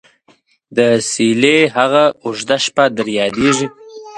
دڅيلې هغه او ژده شپه در ياديژي ?